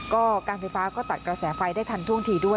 ก็การไฟฟ้าก็ตัดกระแสไฟได้ทันท่วงทีด้วย